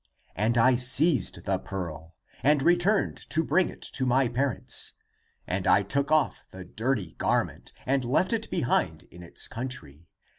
> And I seized the pearl And returned to bring it to my parents. And I took off the dirty garment And left it behind in its country.